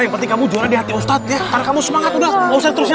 yang penting kamu jualan di hati ustadz ya karena kamu semangat udah mau terus lagi